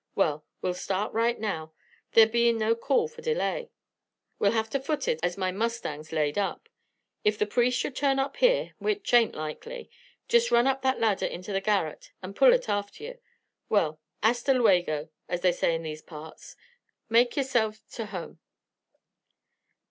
"Well, we'll start right now, there bein' no call for delay. We'll have to foot it, as my mustang's laid up. If the priest should turn up here which ain't likely jest run up that ladder inter the garret and pull it after yer. Well, hasta luego, as they say in these parts. Make yourselves ter home."